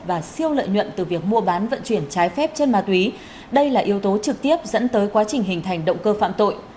và siêu lợi nhuận từ việc mua bán vận chuyển trái phép chân ma túy đây là yếu tố trực tiếp dẫn tới quá trình hình thành động cơ phạm tội